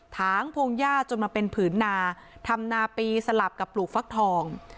ถางพงหญ้าจนมาเป็นผืนนาทำนาปีสลับกับปลูกฟักทอง